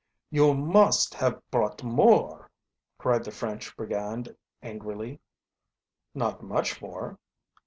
"You must haf brought more!" cried the French brigand angrily. "Not much more."